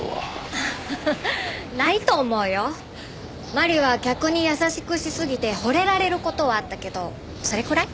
麻里は客に優しくしすぎて惚れられる事はあったけどそれくらい。